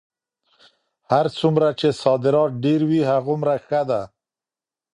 هر څومره چې صادرات ډېر وي هغومره ښه ده.